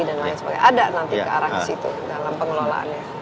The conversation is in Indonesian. ada nanti ke arah ke situ dalam pengelolaannya